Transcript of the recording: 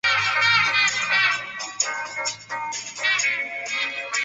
拉力款在挡泥板配有人造刹车通风孔。